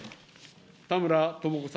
田村智子さん。